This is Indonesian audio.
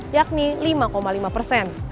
yakni lima lima persen